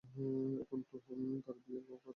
এখন তো তার বিয়ে করার কথা।